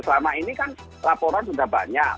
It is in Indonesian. selama ini kan laporan sudah banyak